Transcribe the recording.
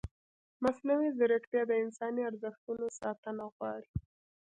مصنوعي ځیرکتیا د انساني ارزښتونو ساتنه غواړي.